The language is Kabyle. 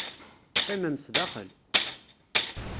Qqimem zdaxel.